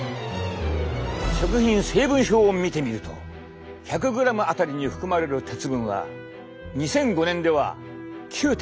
食品成分表を見てみると１００ｇあたりに含まれる鉄分は２００５年では９．４ｍｇ。